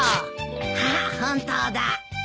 あっ本当だ。